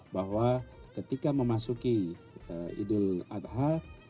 bahwa ketika memasuki idul adha